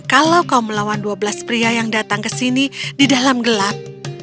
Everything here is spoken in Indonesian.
kalau kau melawan dua belas pria yang datang ke sini di dalam gelap